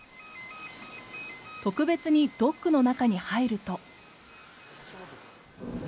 特別にドックの中に入ると。